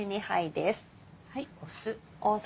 酢。